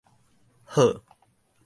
好